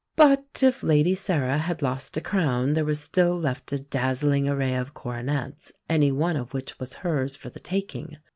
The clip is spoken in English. '" But if Lady Sarah had lost a crown there was still left a dazzling array of coronets, any one of which was hers for the taking.